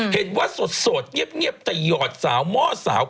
เห็นว่าสดเงียบแต่หยอดสาวหม้อสาว